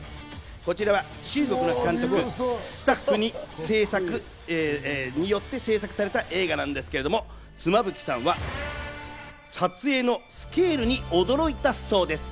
こちらは中国の監督・スタッフによって制作された映画なんですけども、妻夫木さんは撮影のスケールに驚いたそうです。